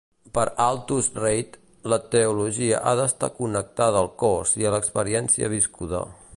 Per Althaus-Reid, la teologia ha d'estar connectada al cos i a l'experiència viscuda.